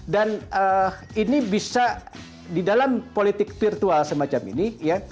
dan ini bisa di dalam politik virtual semacam ini